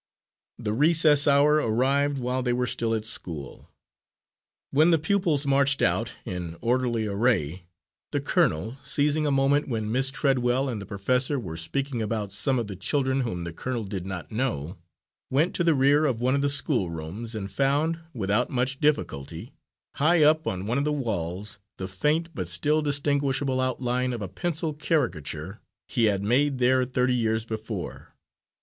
The recess hour arrived while they were still at school. When the pupils marched out, in orderly array, the colonel, seizing a moment when Miss Treadwell and the professor were speaking about some of the children whom the colonel did not know, went to the rear of one of the schoolrooms and found, without much difficulty, high up on one of the walls, the faint but still distinguishable outline of a pencil caricature he had made there thirty years before.